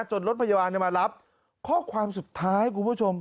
รถพยาบาลมารับข้อความสุดท้ายคุณผู้ชม